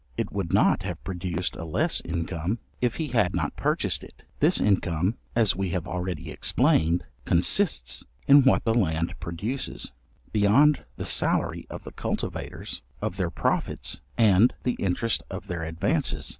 It would not have produced a less income, if he had not purchased it. This income, as we have already explained, consists in what the land produces, beyond the salary of the cultivators, of their profits, and the interest of their advances.